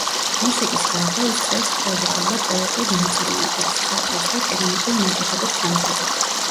მუსიკის გარდა, ის წერს პროზაულ და პოეტურ ნაწარმოებებს, ხატავს და კერამიკულ ნაკეთობებს ამზადებს.